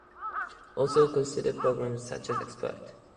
Also consider programs such as expect.